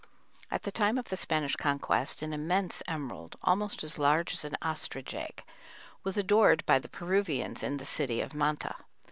At the time of the Spanish Conquest an immense emerald, almost as large as an ostrich egg, was adored by the Peruvians in the city of Manta.